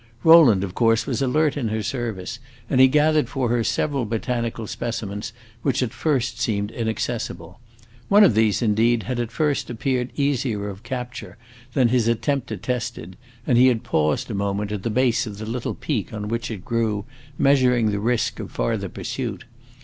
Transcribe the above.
Rowland of course was alert in her service, and he gathered for her several botanical specimens which at first seemed inaccessible. One of these, indeed, had at first appeared easier of capture than his attempt attested, and he had paused a moment at the base of the little peak on which it grew, measuring the risk of farther pursuit.